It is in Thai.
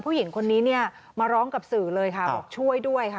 ผู้หญิงคนนี้เนี่ยมาร้องกับสื่อเลยค่ะบอกช่วยด้วยค่ะ